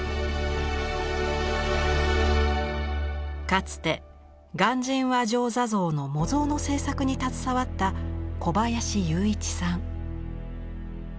かつて鑑真和上坐像の模像の制作に携わった小林雄一さん。